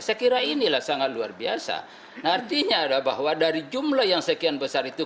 saya kira inilah sangat luar biasa artinya adalah bahwa dari jumlah yang sekian besar itu